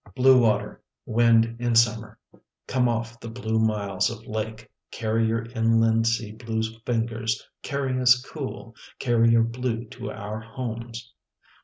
The Windy City ij Blue water wind in summer, come off the blue miles of lake, carry your inland sea blue fingers, carry us cool, carry your blue to our homes.